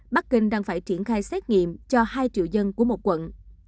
bắc kinh đang phải triển khai xét nghiệm cho hai triệu dân của một quận